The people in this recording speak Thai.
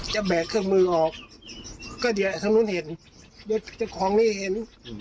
แบกเครื่องมือออกก็เดี๋ยวทางนู้นเห็นเดี๋ยวเจ้าของนี้เห็น